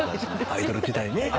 アイドル時代ね。